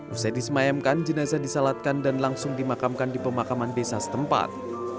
usai disemayamkan jenazah disalatkan dan langsung dimakamkan di pemakaman desa setempat